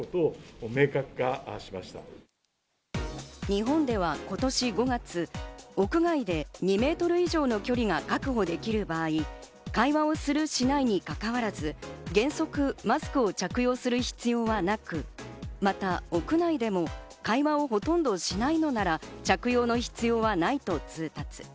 日本では今年５月、屋外で２メートル以上の距離が確保できる場合、会話をする・しないにかかわらず、原則マスクを着用する必要はなく、また屋内でも会話をほとんどしないのなら着用の必要はないと通達。